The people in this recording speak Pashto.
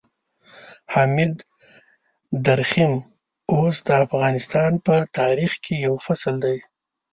حامد درخيم اوس د افغانستان په تاريخ کې يو فصل دی.